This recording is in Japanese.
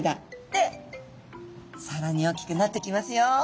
でさらにおっきくなってきますよ。